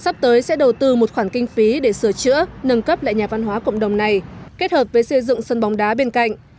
sắp tới sẽ đầu tư một khoản kinh phí để sửa chữa nâng cấp lại nhà văn hóa cộng đồng này kết hợp với xây dựng sân bóng đá bên cạnh